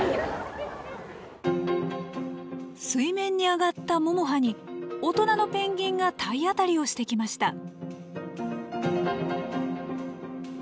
水面に上がったももはに大人のペンギンが体当たりをしてきました。